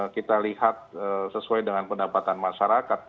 kita lihat sesuai dengan pendapatan masyarakat